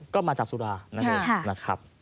ก็มาจากสุรานะครับ